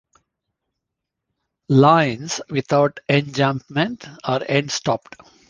Lines without enjambment are end-stopped.